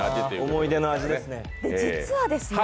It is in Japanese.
思い出の味ですね。